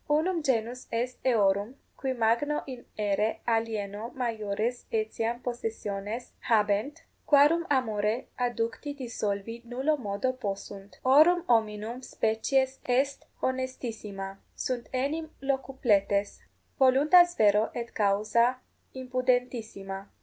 Unum genus est eorum, 18 qui magno in aere alieno maiores etiam possessiones habent, quarum amore adducti dissolvi nullo modo possunt. Horum hominum species est honestissima sunt enim locupletes , voluntas vero et causa impudentissima.